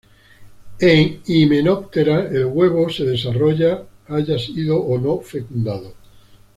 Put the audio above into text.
En Hymenoptera el huevo se desarrolla haya sido o no fecundado.